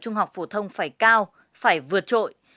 trung học phổ thông phải cao phải vượt trội